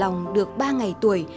vào lòng được ba ngày tuổi